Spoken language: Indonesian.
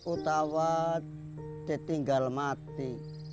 utawat ditinggal mati